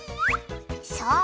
そう！